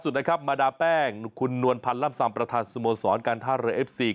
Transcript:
นะครับมาดาแป้งคุณนวลพันธ์ล่ำซำประธานสโมสรการท่าเรือเอฟซี